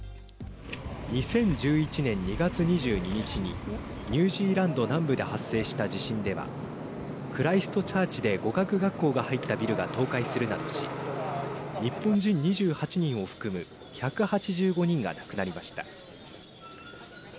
２０１１年２月２２日にニュージーランド南部で発生した地震ではクライストチャーチで語学学校が入ったビルが倒壊するなどし日本人２８人を含む１８５人が亡くなりました。